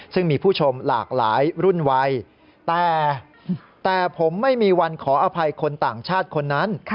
ซึ่งมีผู้ชมหลากหลายรุ่นวัยแต่ผมไม่มีวันขออภัยคนต่างชาติคนนั้น